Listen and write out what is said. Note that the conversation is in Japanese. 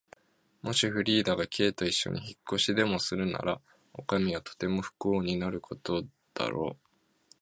もしフリーダが Ｋ といっしょに引っ越しでもするなら、おかみはとても不幸になることだろう。